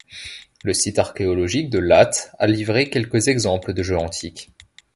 Le site archéologique de Lattes a livré quelques exemples de jeux antiques.